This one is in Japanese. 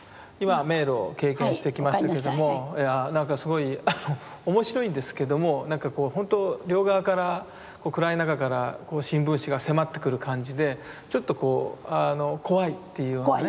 いや何かすごい面白いんですけども何かこう本当両側から暗い中からこう新聞紙が迫ってくる感じでちょっとこう怖いっていうようなね。